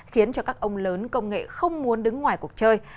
khiến cho các ông lớn công nghệ không muốn đứng ngoài cuộc chơi